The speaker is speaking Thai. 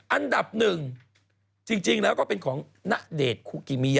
อันดับหนึ่งจริงแล้วก็เป็นของณเดชน์คุกิมิยะ